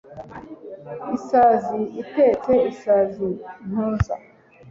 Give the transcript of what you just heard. Isazi itetse isazi ntuza